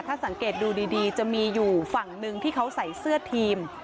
ถ้าสังเกตดูดีจะมีอยู่ฝั่งหนึ่งที่เขาใส่เสื้อทีม